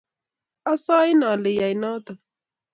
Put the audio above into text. Asain ale iyai notok